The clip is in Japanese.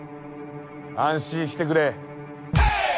安心してくれ。